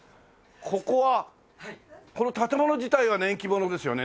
ここはこの建物自体は年季物ですよね？